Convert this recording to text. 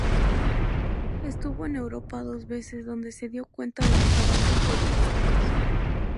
Estuvo en Europa dos veces donde se dio cuenta de los avances periodísticos.